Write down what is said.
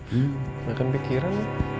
gak ada pikiran